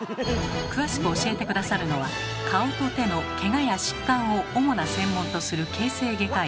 詳しく教えて下さるのは顔と手のけがや疾患を主な専門とする形成外科医